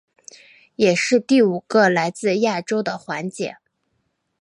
也是第五个来自亚洲的环姐。